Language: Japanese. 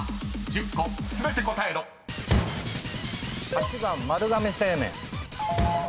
８番丸亀製麺。